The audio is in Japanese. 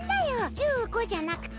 １５じゃなくて。